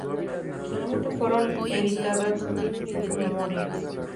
Posteriormente fueron editadas sus memorias.